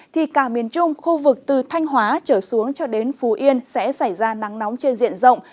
thì cả miền trung khu vực từ thanh hóa trở xuống cho đến phú yên sẽ xảy ra nắng nóng trên diện rộng